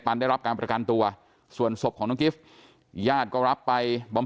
ได้รับการประกันตัวส่วนศพของน้องกิฟต์ญาติก็รับไปบำ